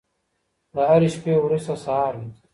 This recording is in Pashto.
د هرې شپې وروسته سهار وي.